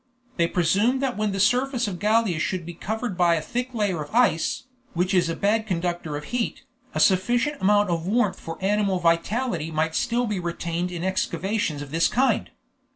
They presumed that when the surface of Gallia should be covered by a thick layer of ice, which is a bad conductor of heat, a sufficient amount of warmth for animal vitality might still be retained in excavations of this kind.